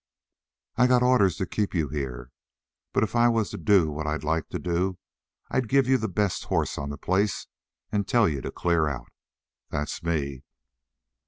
"I got orders to keep you here, but if I was to do what I'd like to do, I'd give you the best horse on the place and tell you to clear out. That's me!"